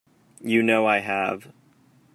You know I have.